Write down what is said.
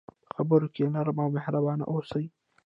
په خبرو کې نرم او مهربان اوسه.